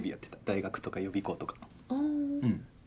大学とか予備校とかの。